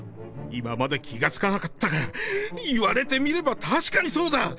「今まで気がつかなかったが、言われてみればたしかにそうだ」。